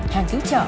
hàng cứu trợ